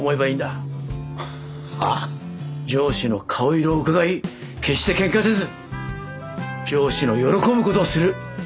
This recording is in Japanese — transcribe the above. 上司の顔色をうかがい決してケンカせず上司の喜ぶことをする。